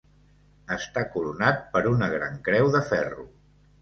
Està coronat per una gran creu de ferro.